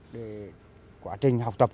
để quá trình học tập